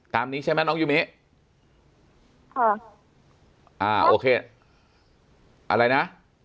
นี้ใช่ไหมน้องยูมิค่ะอ่าโอเคอะไรนะ